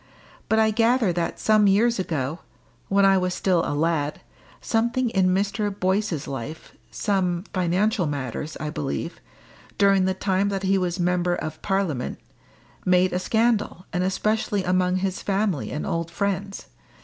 But I gather that some years ago when I was still a lad something in Mr. Boyce's life some financial matters, I believe during the time that he was member of Parliament, made a scandal, and especially among his family and old friends.